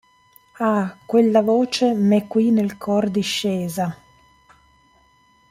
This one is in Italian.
Ah, quella voce m'è qui nel cor discesa!